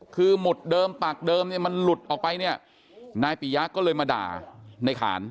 คือหมุดเดิมปากเดิมเนี่ยมันหลุดออกไปเนี่ยนายปียะก็เลยมาด่าในขาน